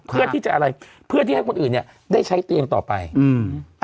เพื่อที่จะอะไรเพื่อที่ให้คนอื่นเนี้ยได้ใช้เตียงต่อไปอืม